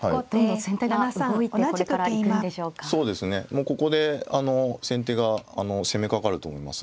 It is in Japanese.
もうここで先手が攻めかかると思います。